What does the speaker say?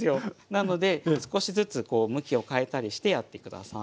なので少しずつこう向きを変えたりしてやって下さい。